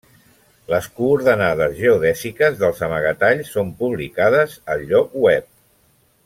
Les coordenades geodèsiques dels amagatalls són publicades al lloc web.